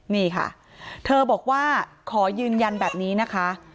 นี่ค่ะเธอบอกว่าขอยืนยันแบบนี้นะคะ